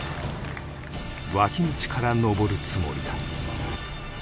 脇道から登るつもりだ